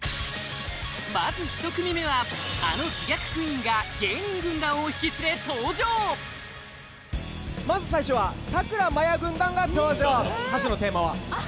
まず１組目はあの自虐クイーンが芸人軍団を引き連れ登場まず最初はさくらまや軍団が登場